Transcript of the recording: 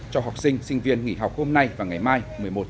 cho học sinh sinh viên nghỉ học hôm nay và ngày mai một mươi một một mươi một